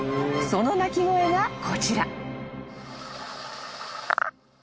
［その鳴き声がこちら］